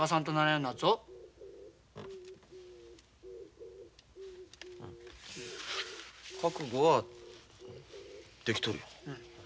うん覚悟はできとるよ。